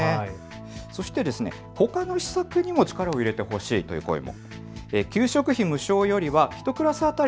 そしてほかの施策にも力を入れてほしいという声も。